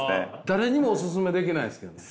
誰にもお勧めできないですけどね。